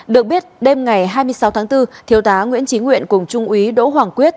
được biết đêm ngày hai mươi sáu tháng bốn thiếu tá nguyễn trí nguyện cùng trung úy đỗ hoàng quyết